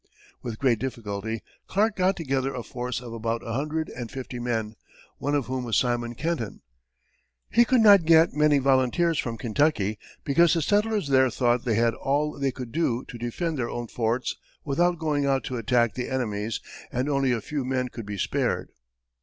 With great difficulty, Clark got together a force of about a hundred and fifty men, one of whom was Simon Kenton. He could not get many volunteers from Kentucky because the settlers there thought they had all they could do to defend their own forts without going out to attack the enemy's and only a few men could be spared.